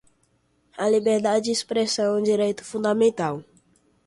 A liberdade de expressão é um direito fundamental.